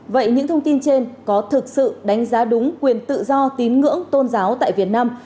vậy những thông tin trên có thực sự đánh giá đúng quyền tự do tín ngưỡng tôn giáo tại việt nam